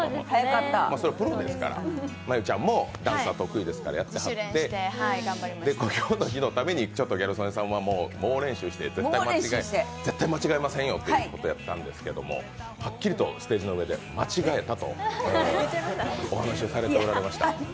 それはプロですから真悠ちゃんもダンスは得意ですからやってはって今日のために練習してギャル曽根さんも絶対間違えませんよってことやったんですけどはっきりとステージの上で「間違えた」とお話をされておられました。